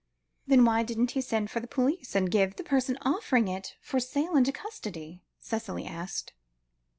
"Then why didn't he send for the police, and give the person offering it for sale into custody?" Cicely asked.